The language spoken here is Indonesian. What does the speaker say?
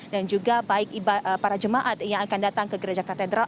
dan juga baik para jemaat yang akan datang ke gereja katedral